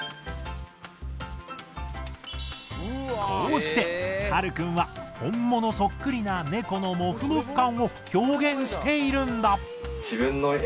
こうしてはるくんは本物そっくりなネコのもふもふ感を表現しているんだ。